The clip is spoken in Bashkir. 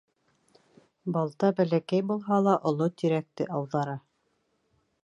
Балта бәләкәй булһа ла, оло тирәкте ауҙара.